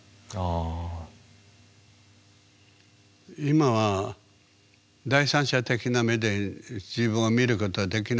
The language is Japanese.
今は第三者的な目で自分を見ることはできないでしょ？